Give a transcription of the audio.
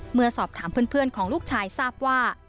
เมื่อสอบถามเพื่อนของลูกชายทราบว่า